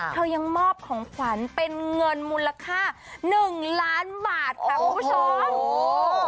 ยังมอบของขวัญเป็นเงินมูลค่า๑ล้านบาทค่ะคุณผู้ชม